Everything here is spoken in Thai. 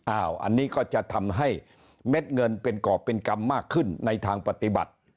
อันนี้ก็จะทำให้เม็ดเงินเป็นกรอบเป็นกรรมมากขึ้นในทางปฏิบัติ